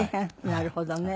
なるほどね。